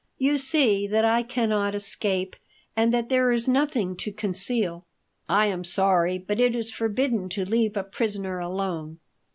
"You see that I cannot escape and that there is nothing to conceal." "I am sorry, but it is forbidden to leave a prisoner alone."